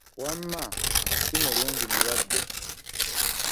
Wamma nga si mulungi mulwadde!